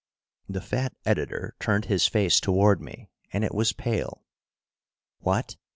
The fat editor turned his face toward me, and it was pale. "What!